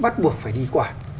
bắt buộc phải đi quản